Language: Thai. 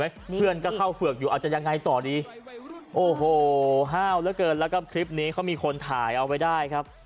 โอ้โหห้าวเหลือเกินแล้วก็คลิปนี้เขามีคนถ่ายเอาไว้ได้ครับ